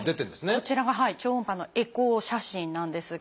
こちらが超音波のエコー写真なんですが。